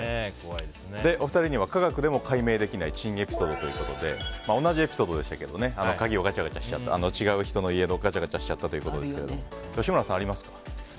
お二人には科学でも解明できない珍エピソードということで同じエピソードでしたけど違う人の家をガチャガチャしてしまったということですが吉村さん、ありますか。